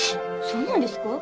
そうなんですか？